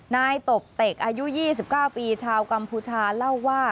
นายตบเต็กอายุ๒๙ปีชาวกัมพูชาเล่าว่า